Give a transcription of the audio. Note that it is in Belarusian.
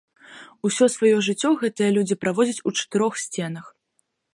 Усё сваё жыццё гэтыя людзі праводзяць у чатырох сценах.